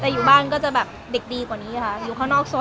แต่อยู่บ้านก็จะแบบเด็กดีกว่านี้ค่ะอยู่ข้างนอกโซ